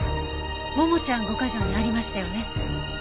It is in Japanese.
ももちゃん５ヶ条にありましたよね。